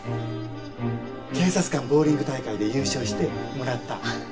警察官ボウリング大会で優勝してもらった？